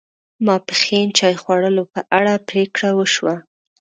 ماپښین چای خوړلو په اړه پرېکړه و شوه.